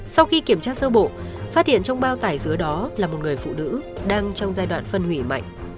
sau khi kiểm tra sơ bộ phát hiện trong bao tải dứa đó là một người phụ nữ đang trong giai đoạn phân hủy mạnh